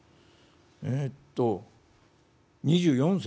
えっと２４銭」。